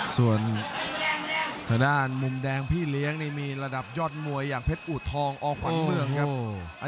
ส่วนทางด้านมุมแดงพี่เลี้ยงนี่มีระดับยอดมวยอย่างเพชรอูทองอขวัญเมืองครับ